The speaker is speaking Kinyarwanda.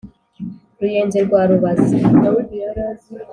ruyenzi rwa rubazi,